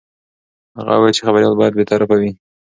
هغه وویل چې خبریال باید بې طرفه وي.